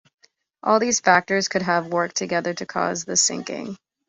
All these factors could have worked together to cause the sinking.